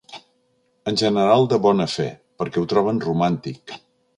En general de bona fe, perquè ho troben romàntic.